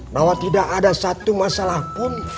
bahwa tidak ada satu masalah pun